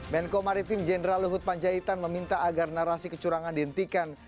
menko maritim jenderal luhut panjaitan meminta agar narasi kecurangan dihentikan